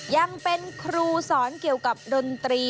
ยังเป็นครูสอนเกี่ยวกับดนตรี